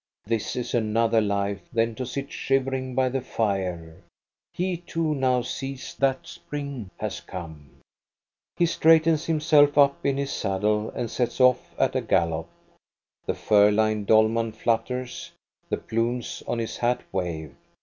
This is another life than to sit shivering by the fire ; he too now sees that spring has come. He straightens himself up in his saddle and sets off at a gallop. The fur lined dolman flutters. The plumes on his hat wave.